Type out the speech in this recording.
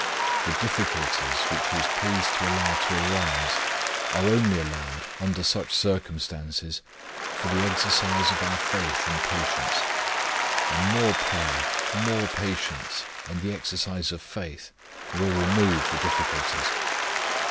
The difficulties, which He is pleased to allow to arise, are only allowed, under such circumstances, for the exercise of our faith and patience; and more prayer, more patience, and the exercise of faith, will remove the difficulties.